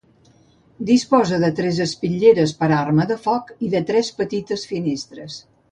Disposa de tres espitlleres per arma de foc i de tres petites finestres.